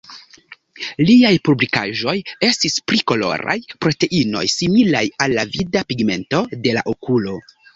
Liaj publikaĵoj estis pri koloraj proteinoj similaj al la vida pigmento de la okulo.